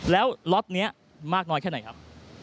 แล้วล็อตนี้มากน้อยแค่ไหนครับ